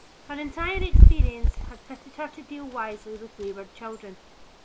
Her entire experience had fitted her to deal wisely with wayward children.